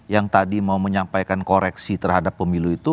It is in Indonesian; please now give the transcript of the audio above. yang tadi mau menyampaikan koreksi terhadap pemilu itu